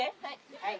はい。